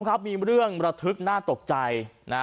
ครับมีเรื่องระทุบมาน่าตกใจนะ